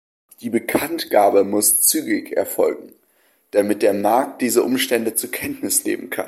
Die Bekanntgabe muss zügig erfolgen, damit der Markt diese Umstände zur Kenntnis nehmen kann.